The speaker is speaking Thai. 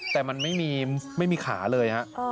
แต่มันไม่มีขาเลยฮะ